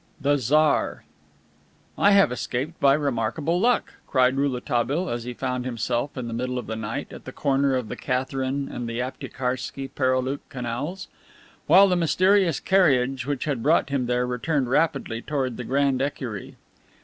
XIX. THE TSAR "I have escaped by remarkable luck," cried Rouletabille, as he found himself, in the middle of the night, at the corner of the Katharine and the Aptiekarski Pereoulok Canals, while the mysterious carriage which had brought him there returned rapidly toward the Grande Ecurie.